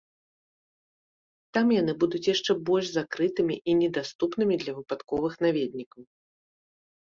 Там яны будуць яшчэ больш закрытымі і недаступнымі для выпадковых наведнікаў.